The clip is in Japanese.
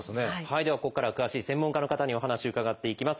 ではここからは詳しい専門家の方にお話伺っていきます。